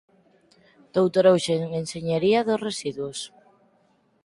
Doutorouse en Enxeñería dos Residuos.